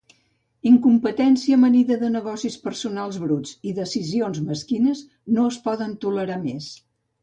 Incompetència amanida de negocis personals bruts i decisions mesquines no es poden tolerar més.